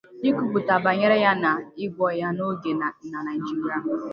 ikwupụta banyere ya na igwọ ya n'oge na Nigeria.